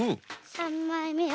３まいめを。